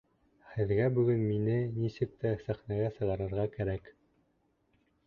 Һеҙгә бөгөн мине нисек тә сәхнәгә сығарырға кәрәк.